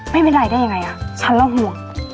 ไม่เป็นไรได้ยังไงฉันละห่วง